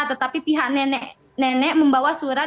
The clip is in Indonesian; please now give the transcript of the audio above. tetapi pihak nenek membawa surat